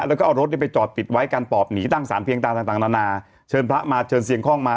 แล้วก็เอารถไปจอดปิดไว้การปอบหนีตั้งสารเพียงตาต่างนานาเชิญพระมาเชิญเสียงคล่องมา